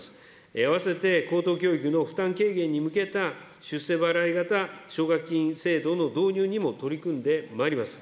併せて、高等教育の負担軽減に向けた、出世払い型奨学金制度の導入にも取り組んでまいります。